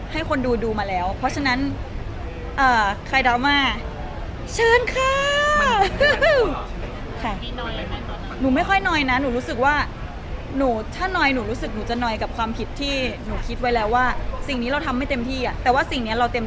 ให้คนดูดูมาแล้วเพราะฉะนั้น